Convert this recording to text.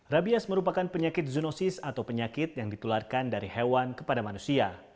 rabies merupakan penyakit zoonosis atau penyakit yang ditularkan dari hewan kepada manusia